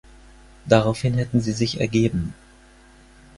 Daraufhin hätten sie sich ergeben.